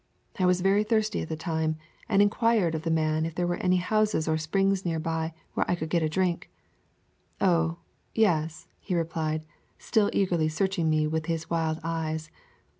I was very thirsty at the time, and inquired of the man if there were any houses or springs near by where I could get a drink. "Oh, yes," he replied, still eagerly searching me with his wild eyes.